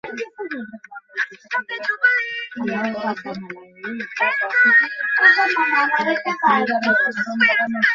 পরিচালনার মাধ্যমে তিনি পরিচালক হিসাবে আত্মপ্রকাশ করেছিলেন।